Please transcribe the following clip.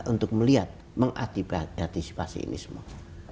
untuk melihat mengaktifkan mengaktifkan ini semua